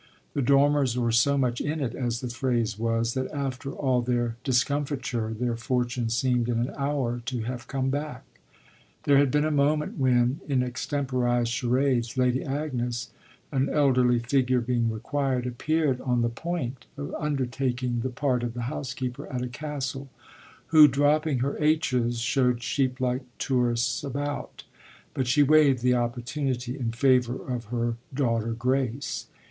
The Dormers were so much in it, as the phrase was, that after all their discomfiture their fortune seemed in an hour to have come back. There had been a moment when, in extemporised charades, Lady Agnes, an elderly figure being required, appeared on the point of undertaking the part of the housekeeper at a castle, who, dropping her h's, showed sheeplike tourists about; but she waived the opportunity in favour of her daughter Grace.